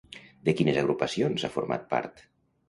De quines agrupacions ha format part?